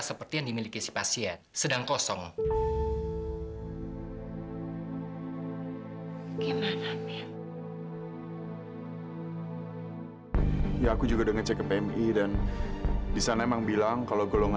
sampai jumpa di video selanjutnya